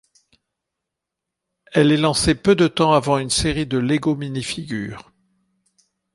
Elle est lancée peu de temps avant une série de Lego Minifigures.